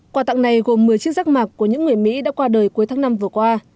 quà tặng này gồm một mươi chiếc rác mạc của những người mỹ đã qua đời cuối tháng năm vừa qua